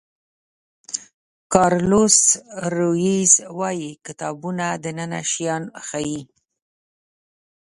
کارلوس رویز وایي کتابونه دننه شیان ښیي.